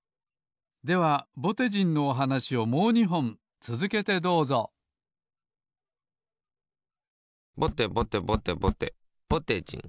ではぼてじんのおはなしをもう２ほんつづけてどうぞぼてぼてぼてぼてぼてじん。